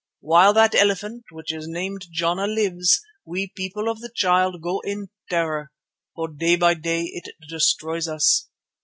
While that elephant, which is named Jana, lives we, the People of the Child, go in terror, for day by day it destroys us.